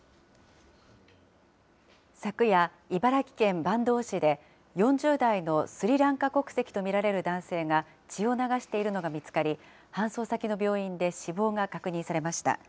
昨夜、茨城県坂東市で４０代のスリランカ国籍と見られる男性が血を流しているのが見つかり、搬送先の病院で死亡が確認されました。